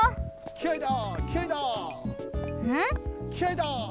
きあいだ！